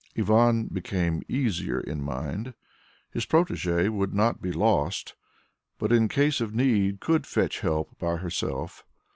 Ivan became easier in mind. His protégée would not be lost, but in case of need could fetch help by herself.